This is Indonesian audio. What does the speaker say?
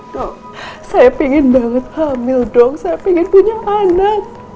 dok saya pengen banget hamil dok saya pengen punya anak